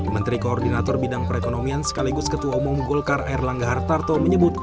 menteri koordinator bidang perekonomian sekaligus ketua umum golkar air langga hartarto menyebut